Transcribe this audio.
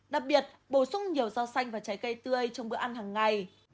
đặc biệt bổ sung nhiều rau xanh và trái cây tươi trong bữa ăn hàng ngày